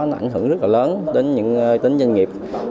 nó ảnh hưởng rất là lớn đến những tính doanh nghiệp